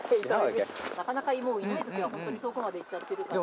なかなかもういない時は本当に遠くまで行っちゃってるから。